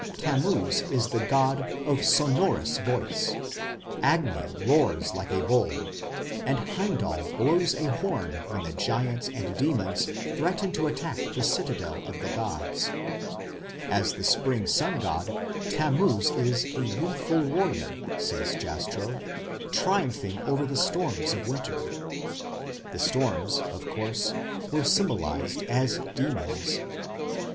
Tammuz is the god "of sonorous voice"; Agni "roars like a bull"; and Heimdal blows a horn when the giants and demons threaten to attack the citadel of the gods. As the spring sun god, Tammuz is "a youthful warrior", says Jastrow, "triumphing over the storms of winter". The storms, of course, were symbolized as demons.